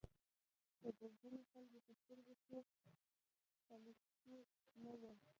خو د ځینو خلکو په سترګو کې خلسکی نه و.